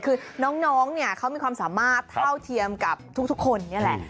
คือน้องเนี่ยเขามีความสามารถเท่าเทียมกับทุกคนนี่แหละ